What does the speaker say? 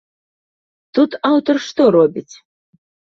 Тут аўтар што робіць?